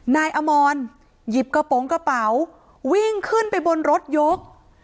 นายอมรหยิบกระโปรงกระเป๋าวิ่งขึ้นไปบนรถยก